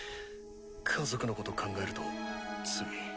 家族のこと考えるとつい。